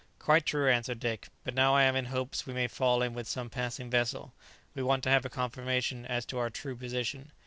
"Quite true," answered Dick; "but now I am in hopes we may fall in with some passing vessel; we want to have a confirmation as to our true position.